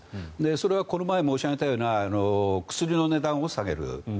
それはこの前申し上げたような薬の値段を下げる。